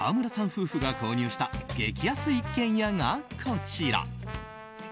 夫婦が購入した激安一軒家がこちら。